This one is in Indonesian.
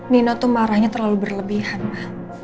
nino tuh marahnya terlalu berlebihan mah